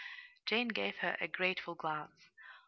Jane gave her a grateful glance.